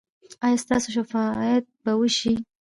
ایا ستاسو شفاعت به وشي؟